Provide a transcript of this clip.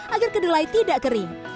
agar kedelai tidak kering